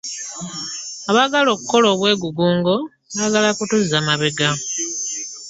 Abaagala okukola obwegugungo baagala kutuzza mabega.